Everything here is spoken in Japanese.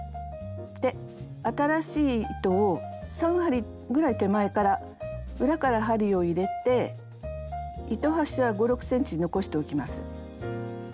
新しい糸を３針ぐらい手前から裏から針を入れて糸端は５６ｃｍ残しておきます。